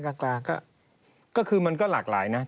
กลางก็คือมันก็หลากหลายนะ